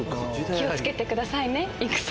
気を付けてくださいね戦。